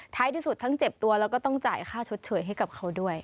ที่สุดทั้งเจ็บตัวแล้วก็ต้องจ่ายค่าชดเฉยให้กับเขาด้วย